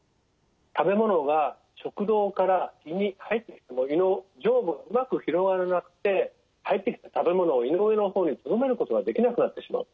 食べ物が食道から胃に入ってきた時の上部がうまく広がらなくて入ってきた食べ物を胃の上の方にとどめることができなくなってしまう。